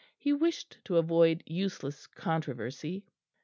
He wished to avoid useless controversy.